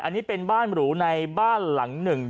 อันนี้เป็นบ้านหรูในบ้านหลังหนึ่ง